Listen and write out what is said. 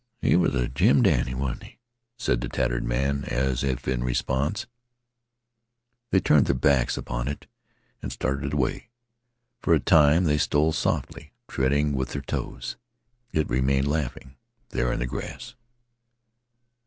"Well, he was a jim dandy, wa'n't 'e?" said the tattered man as if in response. They turned their backs upon it and started away. For a time they stole softly, treading with their toes. It remained laughing there in the grass.